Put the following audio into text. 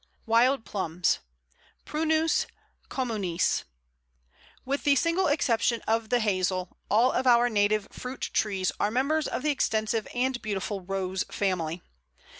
Wild Plums (Prunus communis). With the single exception of the Hazel, all our native fruit trees are members of the extensive and beautiful Rose family.